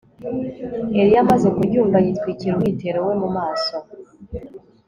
Eliya amaze kuryumva yitwikira umwitero we mu maso